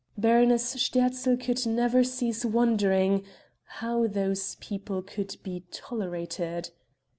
Baroness Sterzl could never cease wondering "how those people could be tolerated."